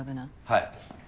はい。